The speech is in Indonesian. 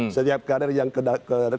setiap kader yang kedua dua yang ditangkap